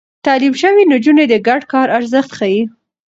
تعليم شوې نجونې د ګډ کار ارزښت ښيي.